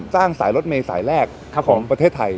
สายรถเมย์สายแรกของประเทศไทย